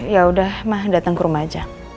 ya udah mah datang ke rumah aja